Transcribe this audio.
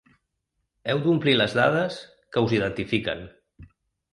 Heu d’omplir les dades que us identifiquen.